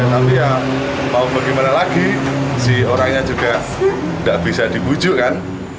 tapi ya mau bagaimana lagi si orangnya juga tidak bisa dibujuk kan